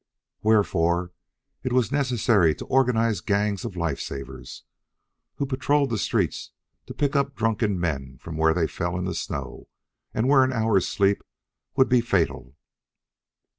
Wherefore, it was necessary to organize gangs of life savers, who patrolled the streets to pick up drunken men from where they fell in the snow and where an hour's sleep would be fatal.